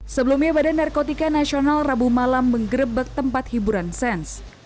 sebelumnya badan narkotika nasional rabu malam menggerebek tempat hiburan sens